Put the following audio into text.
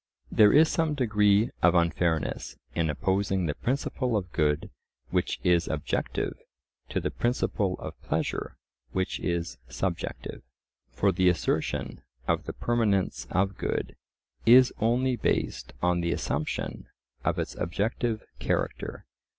There is some degree of unfairness in opposing the principle of good, which is objective, to the principle of pleasure, which is subjective. For the assertion of the permanence of good is only based on the assumption of its objective character.